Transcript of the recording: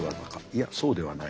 いやそうではないのか。